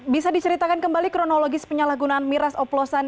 bisa diceritakan kembali kronologis penyalahgunaan miras oplosan